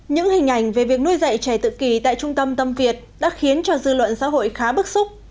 những hình ảnh về việc nuôi dạy trẻ tự kỳ tại trung tâm tâm việt đã khiến cho dư luận xã hội khá bức xúc